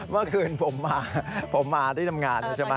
เมื่อคืนผมมาผมมาที่ทำงานใช่ไหม